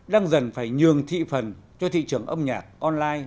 đang dần phải nhường thị phần cho thị trường âm nhạc online